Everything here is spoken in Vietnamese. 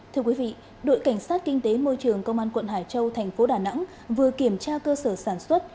thưa quý vị đội cảnh sát kinh tế môi trường công an quận hải châu thành phố đà nẵng vừa kiểm tra cơ sở sản xuất